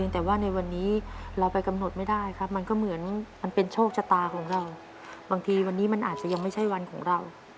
แต่ว่าในวันนี้เราไปกำหนดไม่ได้ครับมันก็เหมือนมันเป็นโชคชะตาของเราบางทีวันนี้มันอาจจะยังไม่ใช่วันของเรา